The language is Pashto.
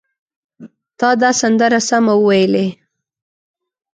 تا دا سندره سمه وویلې!